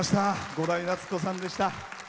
伍代夏子さんでした。